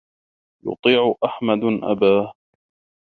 يُطِيعُ أَحَمْدُ أَبَاه.